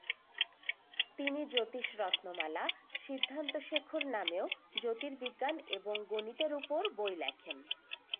তিনি জ্যোতিষরত্নমালা, সিদ্ধান্তশেখর নামেও জ্যোতির্বিজ্ঞান এবং গণিতের উপর বই লেখেন।